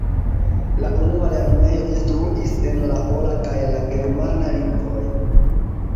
La unua lernejo instruis en la pola kaj la germana lingvoj.